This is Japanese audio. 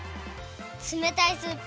つめたいスープ